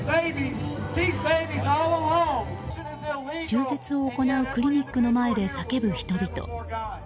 中絶を行うクリニックの前で叫ぶ人々。